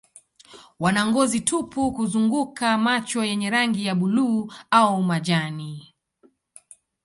Wana ngozi tupu kuzunguka macho yenye rangi ya buluu au majani.